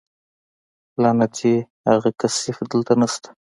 لعنتي اغه کثيف دلته نشته.